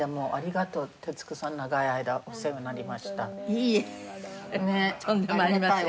いいえとんでもありません。